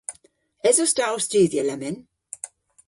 Esos ta ow studhya lemmyn?